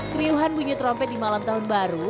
keriuhan bunyi trompet di malam tahun baru